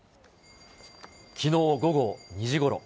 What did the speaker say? きのう午後２時ごろ。